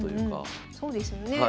そうですよね。